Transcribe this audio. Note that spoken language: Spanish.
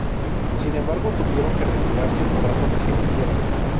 Sin embargo tuvieron que retirarse por razones financieras.